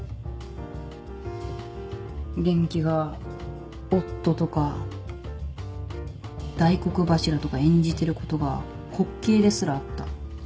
元気が夫とか大黒柱とか演じてることが滑稽ですらあった。